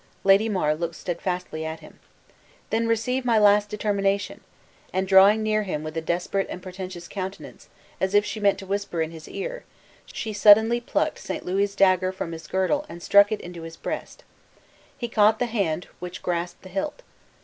Lady Mar looked steadfastly at him. "Then receive my last determination!" and drawing near him with a desperate and portentous countenance, as if she meant to whisper in his ear, she suddenly plucked St. Louis' dagger from his girdle and struck it into his breast. He caught the hand which grasped the hilt.